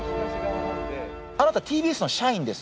あなたＴＢＳの社員です。